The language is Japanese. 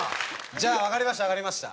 じゃあわかりましたわかりました。